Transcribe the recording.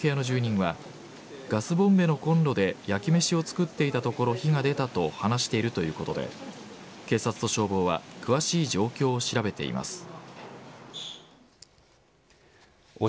火元とみられる２階の部屋の住人はガスボンベのコンロで焼き飯を作っていたところ火が出たと話しているということで警察と消防は詳しい状況を調べています。